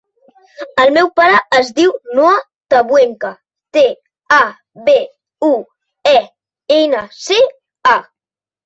El meu pare es diu Noah Tabuenca: te, a, be, u, e, ena, ce, a.